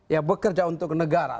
ya bekerja untuk negara